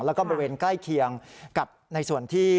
แล้วก็บริเวณใกล้เคียงกับในส่วนที่